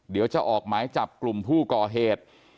เดี๋ยวจะออกหมายจับกลุ่มผู้ก่อเหตุ